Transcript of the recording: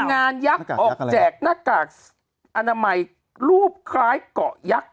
งานยักษ์ออกแจกหน้ากากอนามัยรูปคล้ายเกาะยักษ์